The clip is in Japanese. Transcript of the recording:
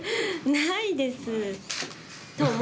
ないですー。